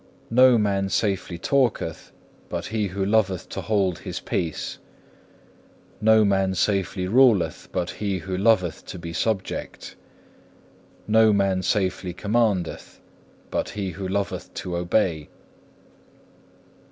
No man safely talketh but he who loveth to hold his peace. No man safely ruleth but he who loveth to be subject. No man safely commandeth but he who loveth to obey.